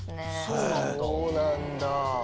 そうなんだ。